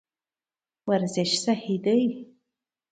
ورزش صحي دی.